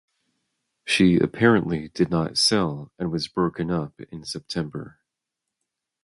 She apparently did not sell and was broken up in September.